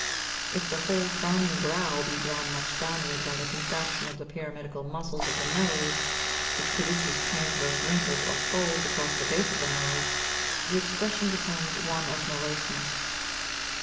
Ill temper. Plate IV If the whole frowning brow be drawn much downward by the contraction of the pyramidal muscles of the nose, which produces transverse wrinkles or folds across the base of the nose, the expression becomes one of moroseness.